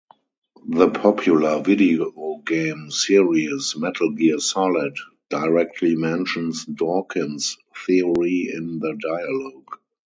The popular videogame series, "Metal Gear Solid", directly mentions Dawkins's theory in the dialogue.